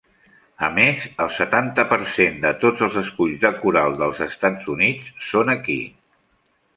A més, el setanta per cent de tots els esculls de coral dels Estats Units són aquí.